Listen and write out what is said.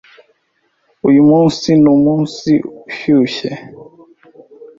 Uyu munsi ni umunsi ushushe.